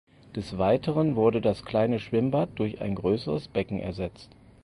Des Weiteren wurde das kleine Schwimmbad durch ein größeres Becken ersetzt.